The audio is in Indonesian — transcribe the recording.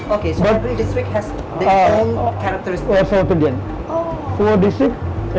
oke jadi setiap kawasan memiliki karakteristik yang sama